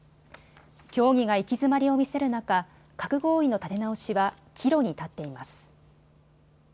協議が行き詰まりを見せる中、核合意の立て直しは岐路に立っています。